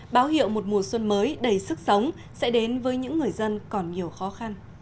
báo hiệu một mùa xuân mới đầy sức sống sẽ đến với những người dân còn nhiều khó khăn